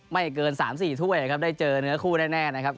ไม่เกิน๓๔ถ้วยครับได้เจอเนื้อคู่แน่นะครับ